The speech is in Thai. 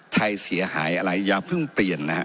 ไทยเสียหายอะไรอย่าเพิ่งเปลี่ยนนะฮะ